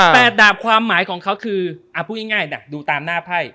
ดดาบความหมายของเขาคือพูดง่ายนะดูตามหน้าไพ่